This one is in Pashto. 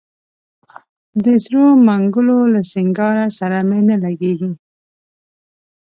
د سرو منګولو له سینګار سره مي نه لګیږي